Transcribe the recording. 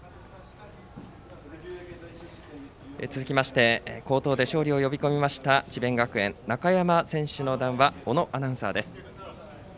続きまして好投で勝利を呼び込みました智弁学園、中山選手の談話小野アナウンサーです。